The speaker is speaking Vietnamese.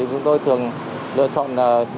chúng tôi thường lựa chọn